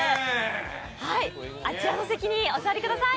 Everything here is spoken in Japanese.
あちらの席にお座りください。